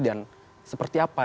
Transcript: dan seperti apa